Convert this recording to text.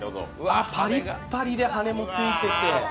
パリッパリで羽根もついていて。